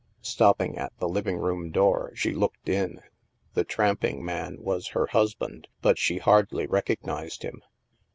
Stopping at the living room door, she looked in. The tramping man was her husband, but she hardly recognized him.